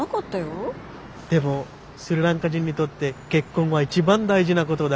でもスリランカ人にとって結婚は一番大事なことだから。